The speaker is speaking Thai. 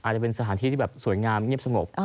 อาจจะเป็นสถานที่ที่แบบสวยงามเงียบสงบ